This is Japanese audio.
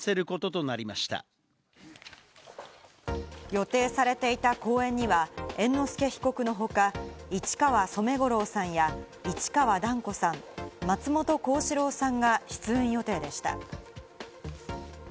予定されていた公演には猿之助被告の他、市川染五郎さんや市川團子さん、松本幸四郎さんが出演予定でした。